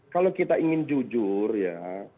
kalau kita ingin jujur ya